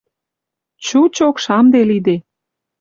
Чучок шамде лиде...